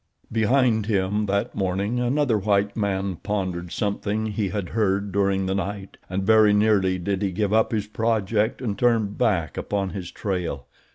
Behind him that morning another white man pondered something he had heard during the night and very nearly did he give up his project and turn back upon his trail.